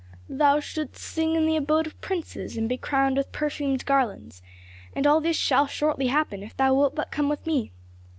Thou shouldst sing in the abode of princes, and be crowned with perfumed garlands, and all this shall shortly happen if thou wilt but come with me.